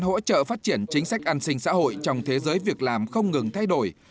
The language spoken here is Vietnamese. hỗ trợ phát triển chính sách an sinh xã hội trong thế giới việc làm không ngừng thay đổi